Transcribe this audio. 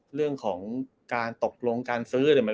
เรื่องของการตกลงการซื้อ